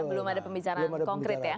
belum ada pembicaraan konkret ya